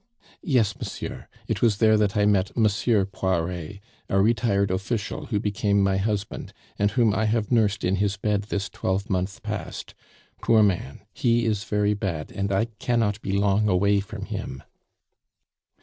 "Yes, monsieur; it was there that I met Monsieur Poiret, a retired official, who became my husband, and whom I have nursed in his bed this twelvemonth past. Poor man! he is very bad; and I cannot be long away from him."